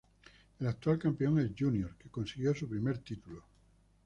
El actual campeón es Junior, que consiguió su primer título.